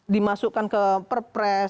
dimasukkan ke perpres